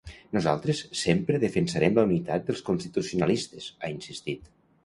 Nosaltres sempre defensarem la unitat dels constitucionalistes, ha insistit.